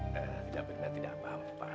berminat tidak bampah